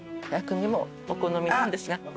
薬味もお好みなんですが。